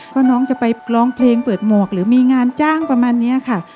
ว่าน้องจะไปร้องเพลงเปิดหมวกหรือมีงานจ้างประมาณนี้ค่ะ